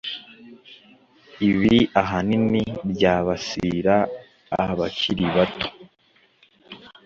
ibi ahanini byabasira abakiri bato